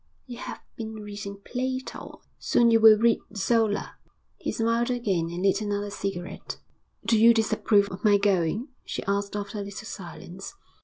'You have been reading Plato; soon you will read Zola.' He smiled again, and lit another cigarette. 'Do you disapprove of my going?' she asked after a little silence.